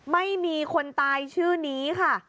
ไม่มีคนตายชื่อนี้ค่ะ